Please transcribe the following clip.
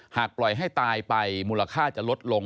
หากปล่อยให้ตายไปมูลค่าจะลดลง